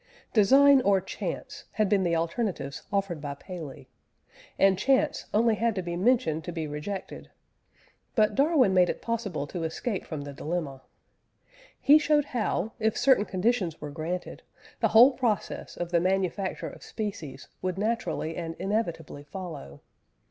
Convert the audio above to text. Design or chance had been the alternatives offered by Paley, and chance only had to be mentioned to be rejected; but Darwin made it possible to escape from the dilemma. He showed how, if certain conditions were granted, the whole process of the manufacture of species would naturally and inevitably follow.